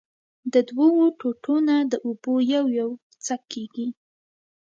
د دؤو ټوټو نه د اوبو يو يو څک کېږي